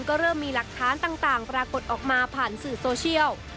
ก็เริ่มมีหลักฐานต่างปรากฏออกมาผ่านสื่อโซเชียล